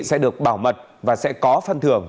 sẽ được bảo mật và sẽ có phân thưởng